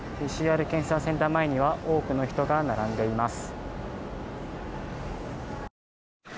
ＰＣＲ検査センター前には多くの人が並んでいます。